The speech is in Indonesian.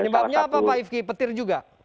penyebabnya apa pak ifki petir juga